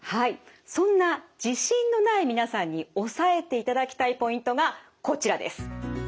そんな自信のない皆さんに押さえていただきたいポイントがこちらです。